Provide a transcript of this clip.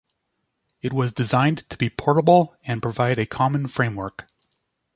It was designed to be portable and provide a common framework.